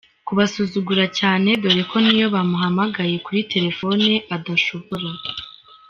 kubasuzugura cyane dore ko niyo bamuhamagaye kuri telefone adashobora.